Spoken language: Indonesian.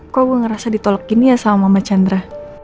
kok gue ngerasa ditolak gini ya sama mbak chandra